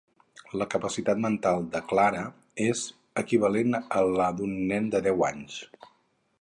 La capacitat mental de Clara és equivalent a la d'un nen de deu anys.